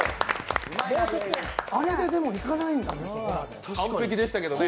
あれだけでもいかないんだね。